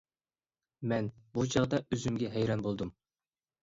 مەن بۇ چاغدا ئۆزۈمگە ھەيران بولدۇم.